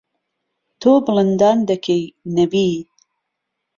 تۆ بڵندان دهکهی نهوی